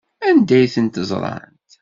Anda ay ten-ẓrant?